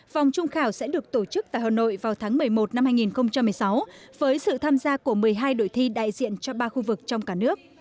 vòng trung khảo sẽ được tổ chức tại hà nội vào tháng một mươi một năm hai nghìn một mươi sáu với sự tham gia của một mươi hai đội thi đại diện cho ba khu vực trong cả nước